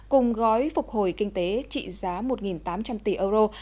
cùng gói phục hồi kinh tế trị giá một tám trăm linh tỷ euro